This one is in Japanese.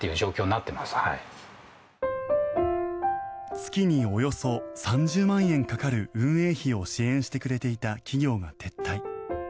月におよそ３０万円かかる運営費を支援してくれていた企業が撤退。